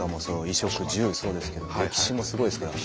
衣食住そうですけど歴史もすごいですけど。